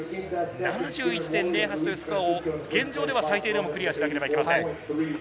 ７１．０８というのは現状では最低でもクリアしなければいけません。